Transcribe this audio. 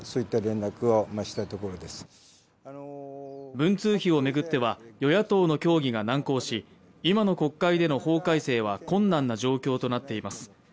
文通費を巡っては与野党の協議が難航し今の国会での法改正は困難な状況となっています。